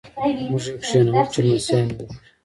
موږ کینوو چې لمسیان وخوري.